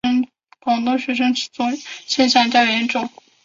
广东学生的此种现象较严重。